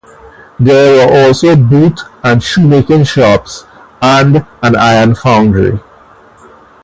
There were also boot and shoemaking shops and an iron foundry.